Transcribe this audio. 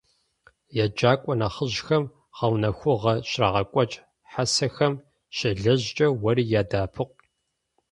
ЕджакӀуэ нэхъыжьхэм гъэунэхуныгъэ щрагъэкӀуэкӀ хьэсэхэм щелэжькӀэ уэри ядэӀэпыкъу.